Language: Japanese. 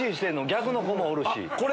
逆の子もおるし。